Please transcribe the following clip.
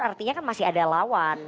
artinya kan masih ada lawan